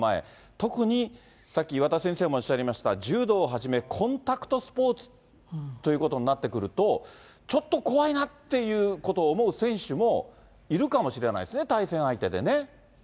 特にさっき岩田先生もおっしゃいました、柔道はじめ、コンタクトスポーツということになってくると、ちょっと怖いなっていうことを思う選手もいるかもしれないですね、対戦相手でね。